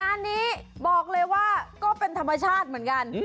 งานนี้บอกเลยว่าก็เป็นธรรมชาติเหมือนกัน